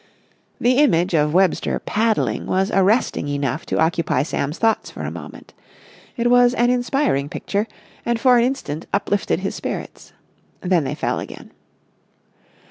The image of Webster paddling was arresting enough to occupy Sam's thoughts for a moment. It was an inspiring picture, and for an instant uplifted his spirits. Then they fell again.